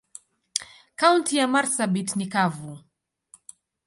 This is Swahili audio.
Kaunti ya marsabit ni kavu.